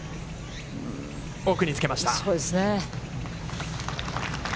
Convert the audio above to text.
奥につけました。